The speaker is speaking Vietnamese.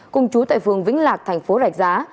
cùng chú tại phường vĩnh lạc thành phố rạch giá